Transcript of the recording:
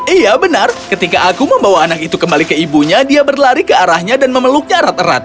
iya benar ketika aku membawa anak itu kembali ke ibunya dia berlari ke arahnya dan memeluknya erat erat